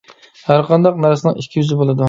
ھەر قانداق نەرسىنىڭ ئىككى يۈزى بولىدۇ.